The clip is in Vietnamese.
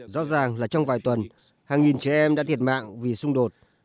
rõ ràng là trong vài tuần hàng nghìn trẻ em đã thiệt mạng vì xung đột